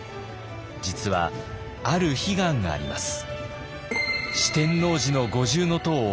実はある悲願があります。